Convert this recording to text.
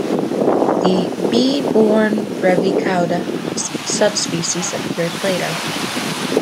The "B. born brevicauda" subspecies appeared later.